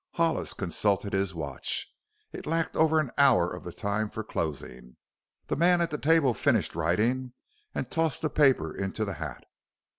Hollis consulted his watch. It lacked over an hour of the time for closing. The man at the table finished writing and tossed the paper into the hat.